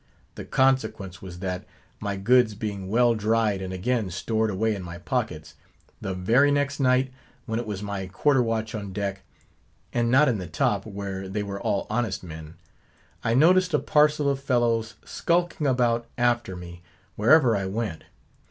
The consequence was that, my goods being well dried and again stored away in my pockets, the very next night, when it was my quarter watch on deck, and not in the top (where they were all honest men), I noticed a parcel of fellows skulking about after me, wherever I went.